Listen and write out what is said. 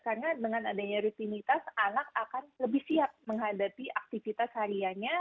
karena dengan adanya rutinitas anak akan lebih siap menghadapi aktivitas hariannya